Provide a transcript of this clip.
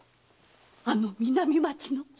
あの南町の？